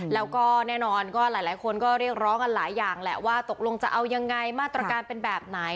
แล้วก็แน่นอนก็หลายคนก็เรียกร้องกันหลายอย่างแหละว่าตกลงจะเอายังไงมาตรการเป็นแบบไหน